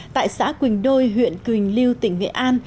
tại xã quỳnh đôi huyện quỳnh lưu tỉnh nghệ an